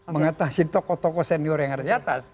mengatasi tokoh tokoh senior yang ada di atas